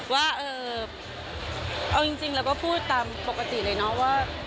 ว่าเออเอาจริงแล้วก็พูดตามปกติเลยเนอะว่า